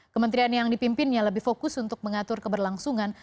kementerian yang dipimpinnya lebih fokus untuk mengatur keberlangsungan